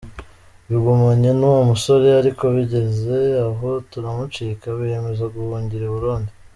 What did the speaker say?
Bagumanye n’uwo musore, ariko bigeze aho baramucika, biyemeza guhungira i Burundi.